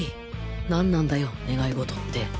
何なんだよ願い事って。